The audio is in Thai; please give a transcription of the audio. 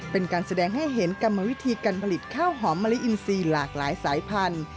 เป็นการแสดงให้เห็นกรรมวิธีการผลิตข้าวหอมมะลิอินซีหลากหลายสายพันธุ์